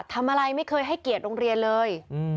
ทำอะไรไม่เคยให้เกียรติโรงเรียนเลย